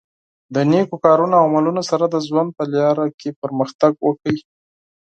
د نېکو کارونو او عملونو سره د ژوند په لاره کې پرمختګ وکړئ.